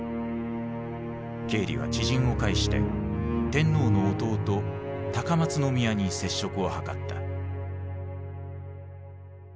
ケーリは知人を介して天皇の弟高松宮に接触を図った。